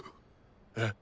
えっ